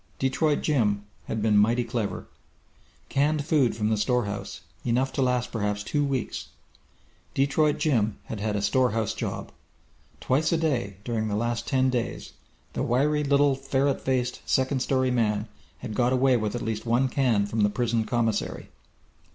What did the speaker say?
Detroit Jim had been mighty clever! Canned food from the storehouse, enough to last perhaps two weeks! Detroit Jim had had a storehouse job. Twice a day, during the last ten days, the wiry little ferret faced second story man had got away with at least one can from the prison commissary.